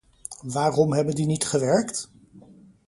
Waarom hebben die niet gewerkt?